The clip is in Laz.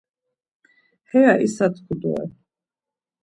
Heya isa tku doren.